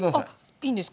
いいんですか？